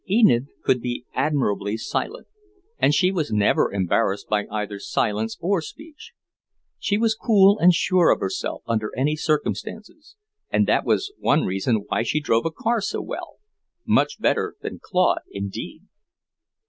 Enid could be admirably silent, and she was never embarrassed by either silence or speech. She was cool and sure of herself under any circumstances, and that was one reason why she drove a car so well, much better than Claude, indeed.